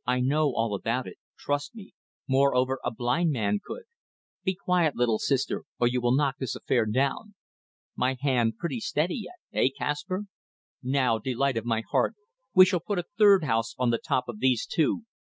. I know all about it. Trust me. Moreover a blind man could ... Be quiet, little sister, or you will knock this affair down. ... My hand pretty steady yet! Hey, Kaspar? ... Now, delight of my heart, we shall put a third house on the top of these two